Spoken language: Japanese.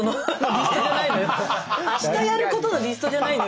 明日やることのリストじゃないのよ